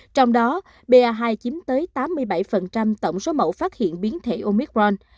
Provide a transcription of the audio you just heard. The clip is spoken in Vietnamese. trong đó ba hai chiếm tới tám mươi bảy tổng số mẫu phát hiện biến thể omicron